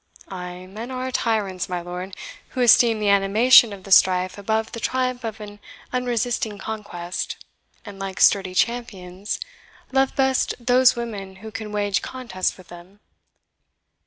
Ay, men are tyrants, my lord, who esteem the animation of the strife above the triumph of an unresisting conquest, and, like sturdy champions, love best those women who can wage contest with them.